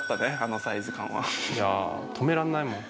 止めらんないもん。